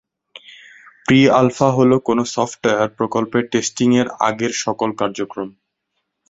Pre-alpha হল কোনো software প্রকল্পে টেস্টিং এর আগের সকল কার্যক্রম।